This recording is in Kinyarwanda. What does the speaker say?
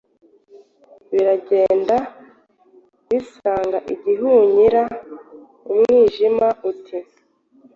Biragenda bisanga igihunyira. Umwijima uti: